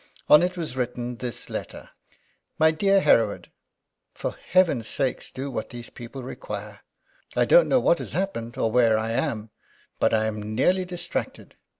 On it was written this letter: "My dear Hereward, For Heaven's sake do what these people require! I don't know what has happened or where I am, but I am nearly distracted!